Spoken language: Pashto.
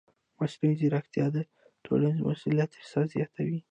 مصنوعي ځیرکتیا د ټولنیز مسؤلیت احساس زیاتوي.